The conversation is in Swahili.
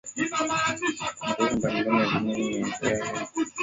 Kwa mataifa mbalimbali ya Dunia hii hasa yale yanayoipinga Marekani